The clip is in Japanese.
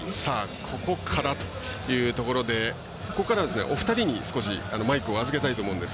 ここからということでここからはお二人にマイクを預けたいと思います。